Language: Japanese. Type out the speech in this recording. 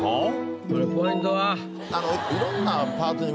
これポイントは？